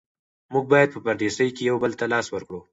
موږ باید په پردیسۍ کې یو بل ته لاس ورکړو.